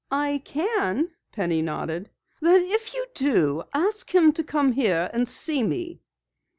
"I can," Penny nodded. "Then if you do, ask him to come here and see me."